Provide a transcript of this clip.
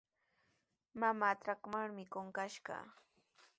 Mamaaqa trakratrawmi qunqashqa.